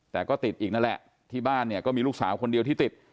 แต่ก็ติดอีกนั่นแหละที่บ้านเนี่ยก็มีลูกสาวคนเดียวที่ติด